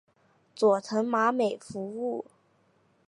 佐藤麻美服务。